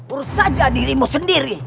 urus saja dirimu sendiri